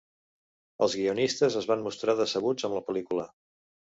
Els guionistes es van mostrar decebuts amb la pel·lícula.